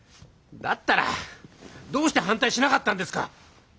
だったらどうして反対しなかったんですか！